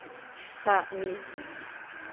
¡Xaa mhiin!